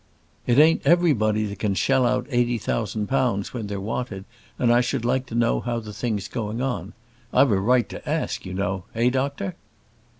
It ain't everybody that can shell out eighty thousand pounds when they're wanted; and I should like to know how the thing's going on. I've a right to ask, you know; eh, doctor?"